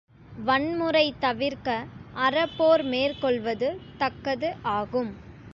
வன்முறை தவிர்க்க அறப்போர் மேற்கொள்வது தக்கது ஆகும்.